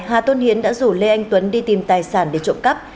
hà tôn hiến đã rủ lê anh tuấn đi tìm tài sản để trộm cắp